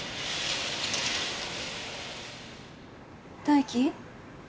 大輝？